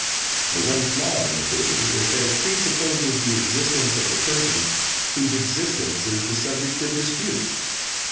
The one flaw in the theory is that it presupposes the existence of the person whose existence is the subject of dispute.